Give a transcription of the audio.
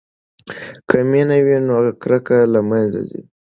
که مینه وي نو کرکه له منځه ځي.